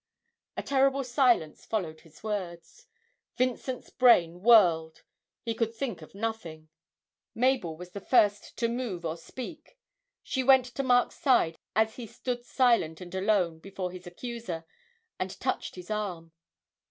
A terrible silence followed his words; Vincent's brain whirled, he could think of nothing. Mabel was the first to move or speak: she went to Mark's side as he stood silent and alone before his accuser, and touched his arm.